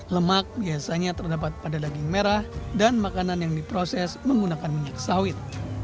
lemak biasanya terdapat pada daging merah dan makanan yang diproses menggunakan minyak sawit